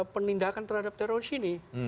penindakan terhadap teroris ini